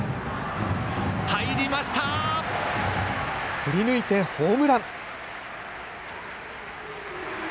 振り抜いてホームラン。